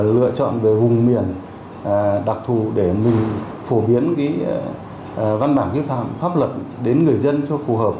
lựa chọn về vùng miền đặc thù để mình phổ biến văn bản quy phạm pháp luật đến người dân cho phù hợp